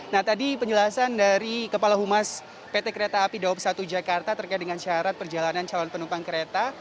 nah tadi penjelasan dari kepala humas pt kereta api dawab satu jakarta terkait dengan syarat perjalanan calon penumpang kereta